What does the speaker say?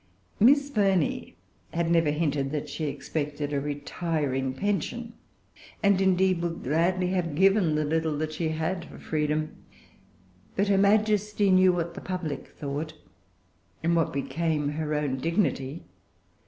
Miss Burney had never hinted that she expected a retiring pension; and indeed would gladly have given the little that she had for freedom. But her Majesty knew what the public thought, and what became her own dignity.